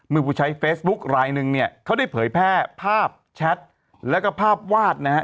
ผู้ใช้เฟซบุ๊คลายหนึ่งเนี่ยเขาได้เผยแพร่ภาพแชทแล้วก็ภาพวาดนะฮะ